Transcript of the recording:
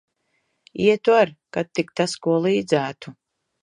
Ietu ar, kad tik tas ko līdzētu.